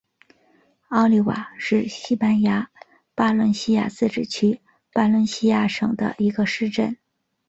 奥利瓦是西班牙巴伦西亚自治区巴伦西亚省的一个市镇。